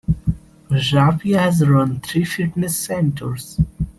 Zappia has run three fitness centres.